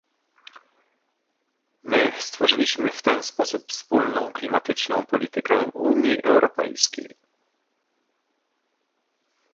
My stworzyliśmy w ten sposób wspólną klimatyczną politykę Unii Europejskiej